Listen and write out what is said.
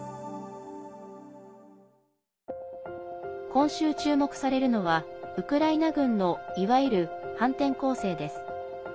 今週、注目されるのはウクライナ軍のいわゆる反転攻勢です。